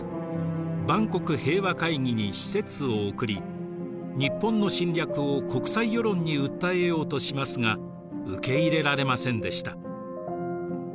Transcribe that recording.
万国平和会議に使節を送り日本の侵略を国際世論に訴えようとしますが受け入れられませんでした。